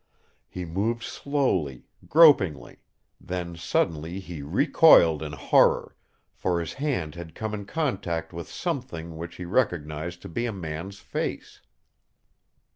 He moved slowly, gropingly, then suddenly he recoiled in horror, for his hand had come in contact with something which he recognized to be a man's face.